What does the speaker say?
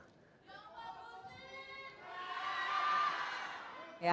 yang berpengaruh yang berpengaruh